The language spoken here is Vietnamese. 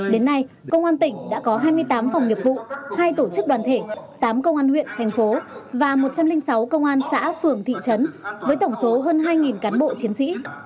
đến nay công an tỉnh đã có hai mươi tám phòng nghiệp vụ hai tổ chức đoàn thể tám công an huyện thành phố và một trăm linh sáu công an xã phường thị trấn với tổng số hơn hai cán bộ chiến sĩ